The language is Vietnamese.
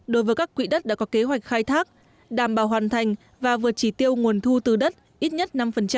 đối với các quỹ đất đã có kế hoạch khai thác đảm bảo hoàn thành và vượt chỉ tiêu nguồn thu từ đất ít nhất năm